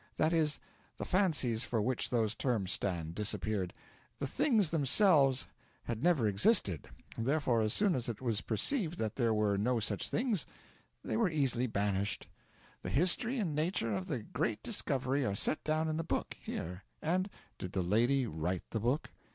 That is, the fancies for which those terms stand, disappeared. The things themselves had never existed; therefore as soon as it was perceived that there were no such things, they were easily banished. The history and nature of the great discovery are set down in the book here, and ' 'Did the lady write the book?'